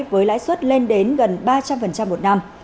với lãi suất lên đến gần ba trăm linh một năm